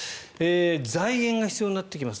財源が必要になってきます。